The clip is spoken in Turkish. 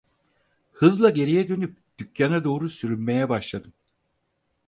Hızla geriye dönüp dükkana doğru sürünmeye başladım.